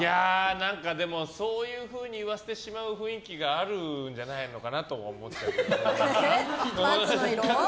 何かそういうふうに言わせてしまう雰囲気があるんじゃないかなと思っちゃうけどね。